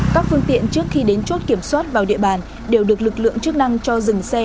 các phương tiện trước khi đến chốt kiểm soát vào địa bàn đều được lực lượng chức năng cho dừng xe